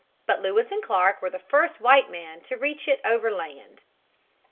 But Lewis and Clark were the first white men to reach it overland.